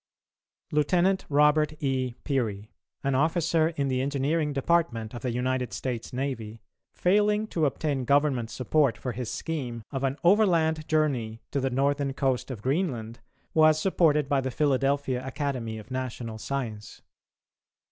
Lieutenant Robert E. Peary, an officer in the engineering department of the United States Navy, failing to obtain Government support for his scheme of an overland journey to the northern coast of Greenland, was supported by the Philadelphia Academy of National Science.